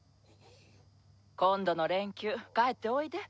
今度の連休帰っておいで。